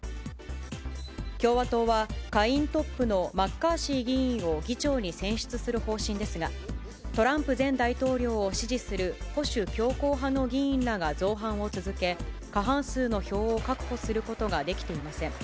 共和党は下院トップのマッカーシー議員を議長に選出する方針ですが、トランプ前大統領を支持する保守強硬派の議員らが造反を続け、過半数の票を確保することができていません。